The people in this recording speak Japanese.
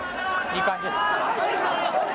いい感じです。